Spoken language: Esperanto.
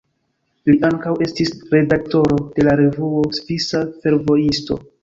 Li ankaŭ estis redaktoro de la revuo Svisa Fervojisto.